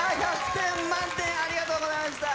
１００点満点ありがとうございました